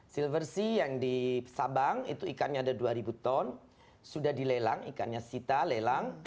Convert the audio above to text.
silversea yang di sabang itu ikannya ada dua ribu ton sudah dilelang ikannya sita lelang